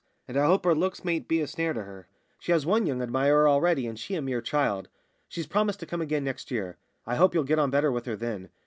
And I hope her looks mayn't be a snare to her. She has one young admirer already, and she a mere child! She's promised to come again next year. I hope you'll get on better with her then.